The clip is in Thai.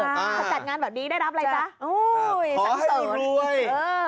ถ้าจัดงานแบบนี้ควรจะได้รับอะไรุ้ย